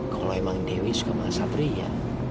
kalau emang dewi suka satria